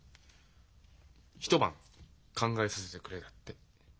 「一晩考えさせてくれ」だって。